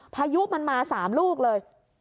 พายุมันมา๓ลูกเลย